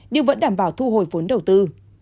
nhưng vẫn đảm bảo thu hồi vốn đầu tư